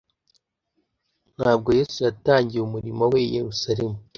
Ntabwo Yesu yatangiye umurimo we i Yerusalemu